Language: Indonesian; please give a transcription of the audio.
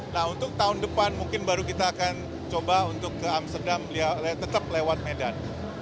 nah untuk tahun depan mungkin baru kita akan coba untuk ke amsterdam tetap lewat medan